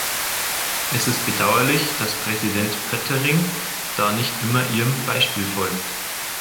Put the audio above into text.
Es ist bedauerlich, dass Präsident Pöttering da nicht immer Ihrem Beispiel folgt.